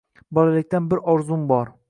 Bolalikdan bir orzum bor